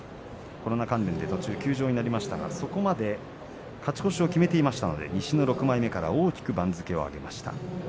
コロナ関連で途中休場になりましたが、そこまで勝ち越しを決めていましたので西の６枚目から大きく番付を上げました。